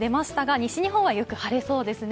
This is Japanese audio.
西日本はよく晴れそうですね。